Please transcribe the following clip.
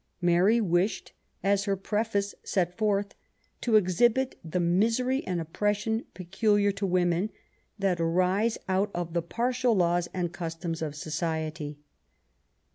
Mary wished, as her Preface set forth, to exhibit the misery and oppression pe* culiar to women^ that arise out of the partial laws and customs of society.